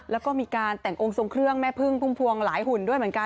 แล้วก็มีการแต่งองค์ทรงเครื่องแม่พึ่งพุ่มพวงหลายหุ่นด้วยเหมือนกัน